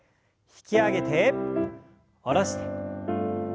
引き上げて下ろします。